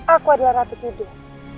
aku adalah ratu tidur